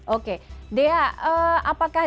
oke dea apakah